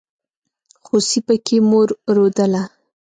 خوسي پکې مور رودله.